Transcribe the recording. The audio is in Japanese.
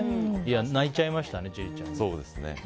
泣いちゃいましたね、千里ちゃん。